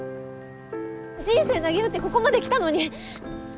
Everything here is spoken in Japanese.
人生なげうってここまで来たのに。